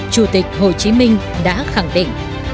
chủ tịch hồ chí minh đã khẳng định